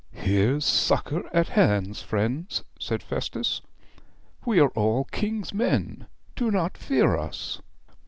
'Here's succour at hand, friends,' said Festus. 'We are all king's men; do not fear us.'